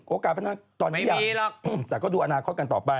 โอกาสตอนนี้แต่ก็ดูอนาคตกันต่อไป